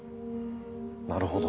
なるほど。